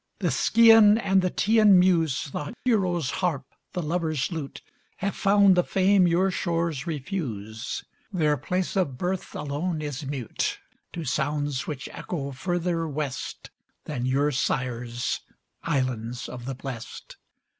The Scian and the Teian muse, The hero's harp, the lover's lute, Have found the fame your shores refuse; Their place of birth alone is mute To sounds which echo further west Than your sires' "Islands of the Blest."